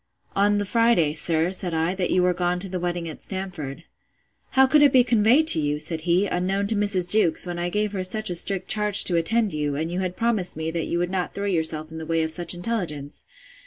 On the Friday, sir, said I, that you were gone to the wedding at Stamford.—How could it be conveyed to you, said he, unknown to Mrs. Jewkes, when I gave her such a strict charge to attend you, and you had promised me, that you would not throw yourself in the way of such intelligence?